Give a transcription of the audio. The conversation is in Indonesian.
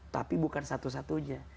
tapi bukan satu satunya